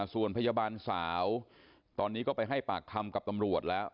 ส่วนพยาบาลสาวตอนนี้ก็ไปให้ปากคำกับตำรวจแล้ว